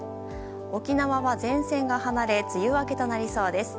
沖縄は前線が離れ梅雨明けとなりそうです。